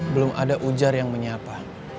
belum ada ujar yang menyapa